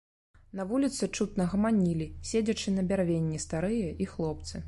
На вуліцы, чутна, гаманілі, седзячы на бярвенні, старыя і хлопцы.